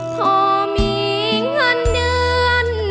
พอมีเงินเดือน